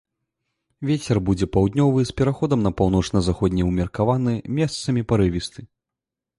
Вецер будзе паўднёвы з пераходам на паўночна-заходні ўмеркаваны, месцамі парывісты.